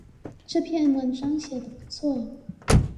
這篇文章寫的不錯